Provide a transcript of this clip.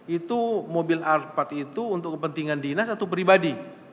itu mobil arpat itu untuk kepentingan dinas atau pribadi